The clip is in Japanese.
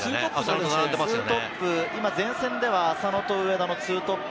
２トップ、前線ですか、浅野と上田の２トップ。